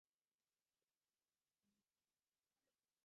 সামান্য খোঁচার পরিবর্তে জোরে আঘাত করা কঠিন কাজ।